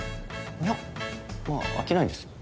いやまあ飽きないです。